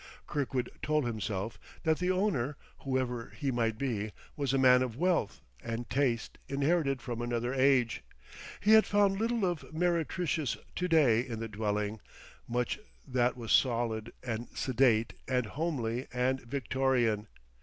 Kirkwood told himself that the owner, whoever he might be, was a man of wealth and taste inherited from another age; he had found little of meretricious to day in the dwelling, much that was solid and sedate and homely, and Victorian....